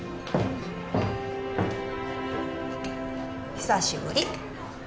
久しぶり